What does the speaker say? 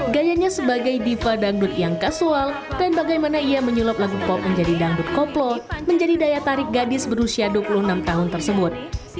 gayanya sebagai diva dangdut yang kasual dan bagaimana ia menyulap lagu pop menjadi dangdut koplo menjadi daya tarik gadis berusia dua puluh enam tahun tersebut